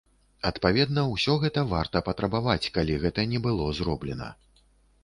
Адпаведна ўсё гэта варта патрабаваць, калі гэта не было зроблена.